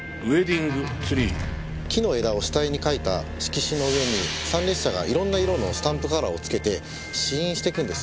木の枝を下絵に描いた色紙の上に参列者がいろんな色のスタンプカラーをつけて指印していくんです。